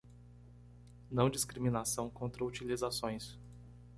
Não discriminação contra utilizações.